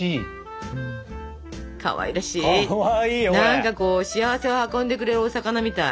何かこう幸せを運んでくれるお魚みたい。